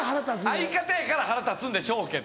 相方やから腹立つんでしょうけど。